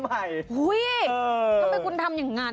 ทำไมคุณทำอย่างนั้น